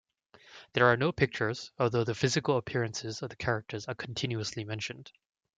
There are no pictures, although the physical appearances of the characters are continuously mentioned.